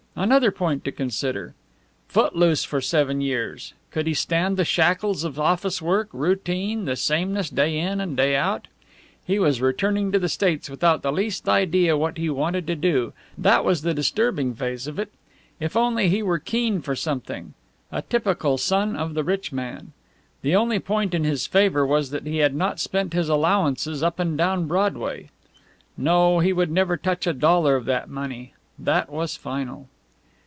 Another point to consider: Foot loose for seven years, could he stand the shackles of office work, routine, the sameness day in and day out? He was returning to the States without the least idea what he wanted to do; that was the disturbing phase of it. If only he were keen for something! A typical son of the rich man. The only point in his favour was that he had not spent his allowances up and down Broadway. No, he would never touch a dollar of that money. That was final.